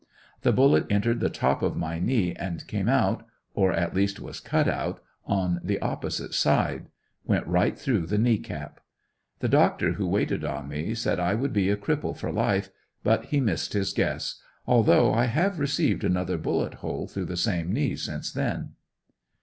The bullet entered the top of my knee and came out or at least was cut out on the opposite side; went right through the knee cap. The doctor who waited on me said I would be a cripple for life, but he missed his guess, although I have received another bullet hole through the same knee since then.